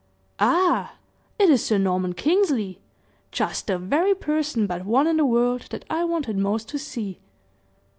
"Ah! it is Sir Norman Kingsley! Just the very person, but one, in the world that I wanted most to see."